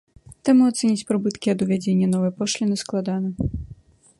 Таму ацаніць прыбыткі ад увядзення новай пошліны складана.